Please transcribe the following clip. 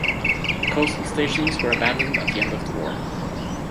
The coastal stations were abandoned at the end of the war.